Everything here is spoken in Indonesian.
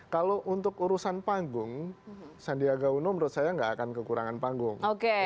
kalau untuk urusan panggung sandiaga uno menurut saya nggak akan kekurangan panggung